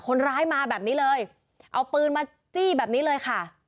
คนร้ายมาแบบนี้เลยเอาปืนมาจี้แบบนี้เลยค่ะ